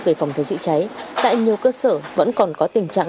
về phòng cháy chữa cháy tại nhiều cơ sở vẫn còn có tình trạng